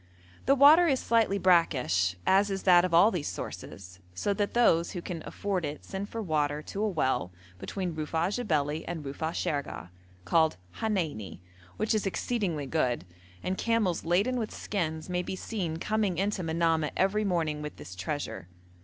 The water is slightly brackish, as is that of all these sources, so that those who can afford it send for water to a well between Rufa'a Jebeli and Rufa'a Shergeh called Haneini, which is exceedingly good, and camels laden with skins may be seen coming into Manamah every morning with this treasure.